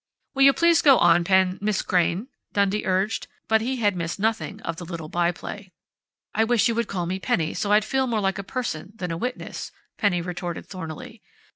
"Will you please go on, Pen Miss Crain?" Dundee urged, but he had missed nothing of the little by play. "I wish you would call me Penny so I'd feel more like a person than a witness," Penny retorted thornily.